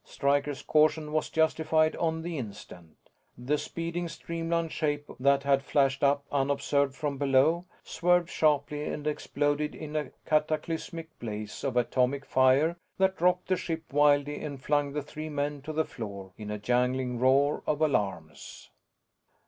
Stryker's caution was justified on the instant. The speeding streamlined shape that had flashed up unobserved from below swerved sharply and exploded in a cataclysmic blaze of atomic fire that rocked the ship wildly and flung the three men to the floor in a jangling roar of alarms.